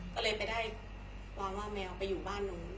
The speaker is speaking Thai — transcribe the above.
ก็เลยไปได้ว่าแมวไปอยู่บ้านนู้น